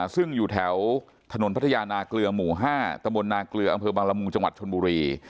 ซึ่งอยู่แถวถนนพัทยานาเกลือหมู่๕ตะบนนาเกลืออำเภอบังละมุงจังหวัดชนบุรี